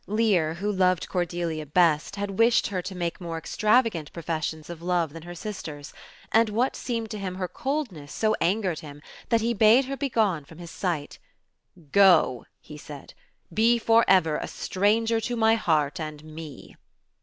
Lear, who loved Cordelia best, had wished her to make more extravagant professions of love than her sisters ; and what seemed to him her coldness so angered him that he bade her begone from his sight. "Go," he said, "be for ever a stranger to my heart and me.